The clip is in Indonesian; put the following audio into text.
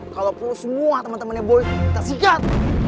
kalau perlu semua temen temennya woy kita sikat